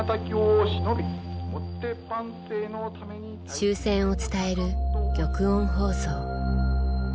終戦を伝える玉音放送。